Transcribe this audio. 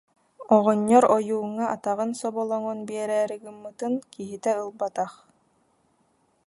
Оҕонньор ойууҥҥа атаҕын соболоҥун биэрээри гыммытын, киһитэ ылбатах